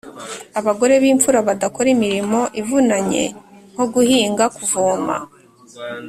abagore bimfura badakora imirimo ivunanye nko guhinga, kuvoma